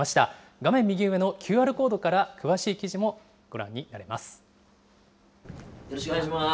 画面右上のＱＲコードから詳しいよろしくお願いします。